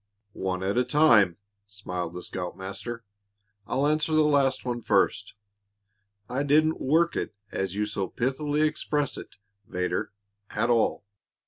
"One at a time," smiled the scoutmaster. "I'll answer the last one first. I didn't 'work it,' as you so pithily express it, Vedder, at all.